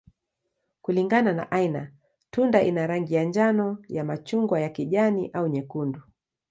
Kulingana na aina, tunda ina rangi ya njano, ya machungwa, ya kijani, au nyekundu.